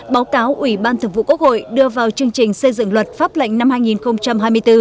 báo cáo ủy ban thực vụ quốc hội đưa vào chương trình xây dựng luật pháp lệnh năm hai nghìn hai mươi bốn